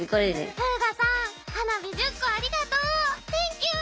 「フーガさん花火１０個ありがとう！テンキュー！